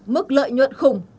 mức lợi nhuận khủng